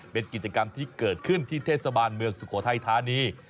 เป็นกิจกรรมที่เกิดขึ้นที่เทศบาลเมืองสุโขทัยธานี